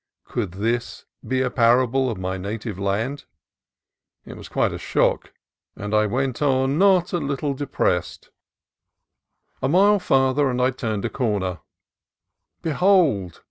Could this be a parable of my native land? It was quite a shock, and I went on not a little de 276 CALIFORNIA COAST TRAILS pressed. A mile farther, and I turned a corner; —■ behold!